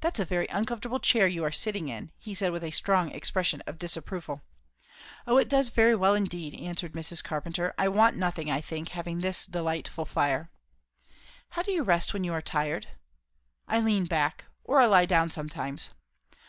"That's a very uncomfortable chair you are sitting in!" he said with a strong expression of disapproval. "O it does very well indeed," answered Mrs. Carpenter. "I want nothing, I think, having this delightful fire." "How do you rest when you are tired?" "I lean back. Or I lie down sometimes."